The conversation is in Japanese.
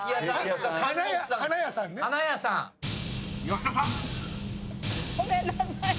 ［吉田さん］ごめんなさい。